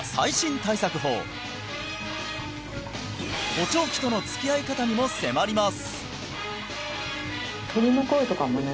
補聴器との付き合い方にも迫ります